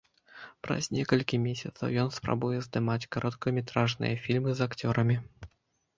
Праз некалькі месяцаў ён спрабуе здымаць кароткаметражныя фільмы з акцёрамі.